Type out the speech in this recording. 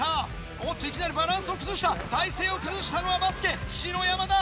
おっといきなりバランスを崩した体勢を崩したのはバスケ篠山だ。